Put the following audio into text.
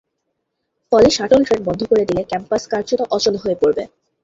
ফলে shuttle train বন্ধ করে দিলে ক্যাম্পাস কার্যত অচল হয়ে পড়ে।